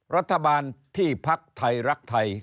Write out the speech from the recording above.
รัฐบาลที่พักไทยรักไทย